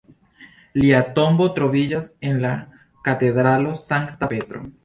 Lia tombo troviĝas en la katedralo Sankta Petro.